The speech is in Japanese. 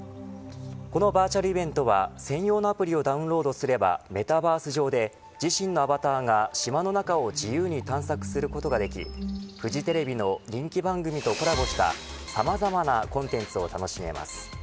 このバーチャルイベントは専用のアプリをダウンロードすればメタバース上で自身のアバターが島の中を自由に探索することができフジテレビの人気番組とコラボしたさまざまなコンテンツを楽しめます。